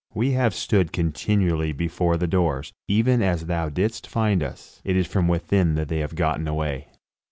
We have stood continually before the doors, even as thou didst find us; it is from within that they have gotten away."